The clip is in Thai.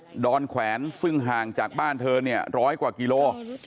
ดอนแขวนซึ่งห่างจากบ้านเธอเนี่ยร้อยกว่ากิโล